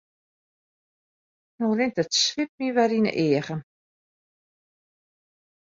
No rint it swit my wer yn 'e eagen.